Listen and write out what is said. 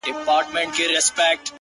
گوره زما گراني زما د ژوند شاعري ـ